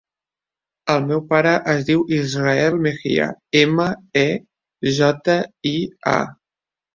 El meu pare es diu Israel Mejia: ema, e, jota, i, a.